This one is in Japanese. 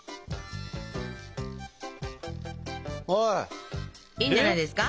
いいんじゃないですか？